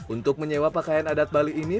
untuk menyewa pakaian adat bali ini